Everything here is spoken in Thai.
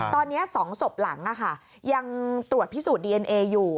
ตอนนี้๒ศพหลังยังตรวจพิสูจน์ดีเอนเออยู่